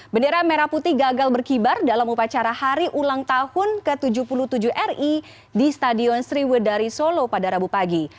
bendera merah putih gagal berkibar dalam upacara hari ulang tahun ke tujuh puluh tujuh ri di stadion sriwedari solo pada rabu pagi